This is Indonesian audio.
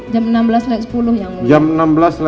jam enam belas sepuluh yang mulai